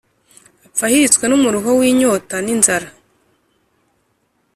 apfa ahiritswe n'umuruho w'inyota n'inzara.